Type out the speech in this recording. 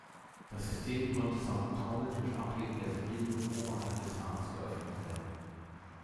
Das System konnte samt Trommel durch abheben der Verriegelung oberhalb des Hahns geöffnet werden.